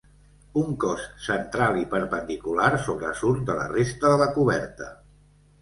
Un cos central i perpendicular sobresurt de la resta de la coberta.